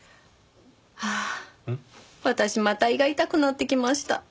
ああ私また胃が痛くなってきました。